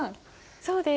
そうです。